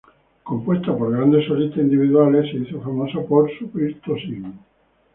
Compuesta por grandes solistas individuales, se hizo famosa por su virtuosismo.